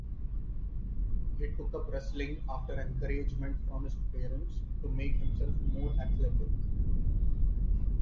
He took up wrestling after encouragement from his parents to make himself more athletic.